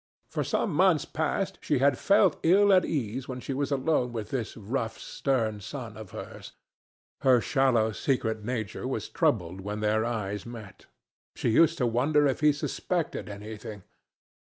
For some months past she had felt ill at ease when she was alone with this rough stern son of hers. Her shallow secret nature was troubled when their eyes met. She used to wonder if he suspected anything.